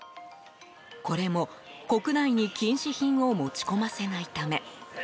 これも、国内に禁止品を持ち込ませないため。